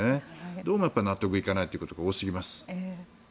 どうもやっぱり納得できないということが多すぎます。